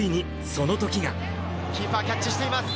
キーパーキャッチしています。